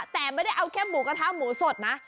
แต่ไม่ได้เอาแค่หมูกระทะหมูสดนะ